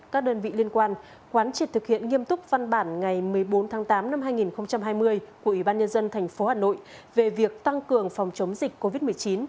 các đơn vị liên quan quán triệt thực hiện nghiêm túc văn bản ngày một mươi bốn tháng tám năm hai nghìn hai mươi của ủy ban nhân dân tp hà nội về việc tăng cường phòng chống dịch covid một mươi chín